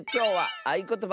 「あいことば」。